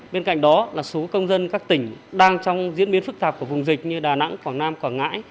bên cạnh đó là số công dân các tỉnh đang trong diễn biến phức tạp của vùng dịch như đà nẵng quảng nam quảng ngãi